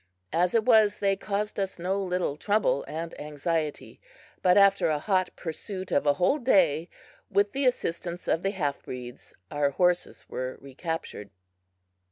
As it was, they caused us no little trouble and anxiety, but after a hot pursuit of a whole day, with the assistance of the halfbreeds our horses were recaptured.